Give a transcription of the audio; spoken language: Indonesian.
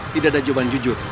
tidak ada jawaban jujur